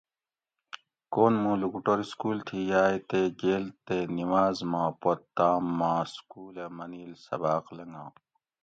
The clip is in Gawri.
کون مُوں لوکوٹور سکول تھی یاۤئے تہ گیل تے نماز ما پت تام ما سکولہ منیل سباۤق لنگا